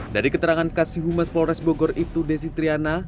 dari keterangan kasihumas polres bogor ibtu desitriana